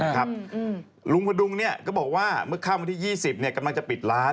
หลุงพะดุงก็บอกว่าเมื่อเข้ามาที่๒๐กำลังจะปิดร้าน